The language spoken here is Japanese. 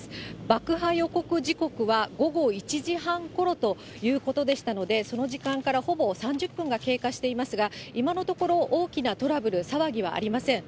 爆破予告時刻は午後１時半ころということでしたので、その時間からほぼ３０分が経過していますが、今のところ、大きなトラブル、騒ぎはありません。